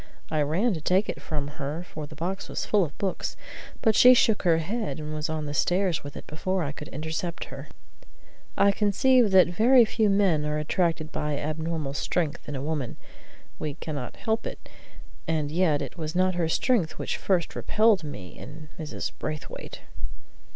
I ran to take it from her, for the box was full of books, but she shook her head, and was on the stairs with it before I could intercept her. I conceive that very few men are attracted by abnormal strength in a woman; we cannot help it; and yet it was not her strength which first repelled me in Mrs. Braithwaite.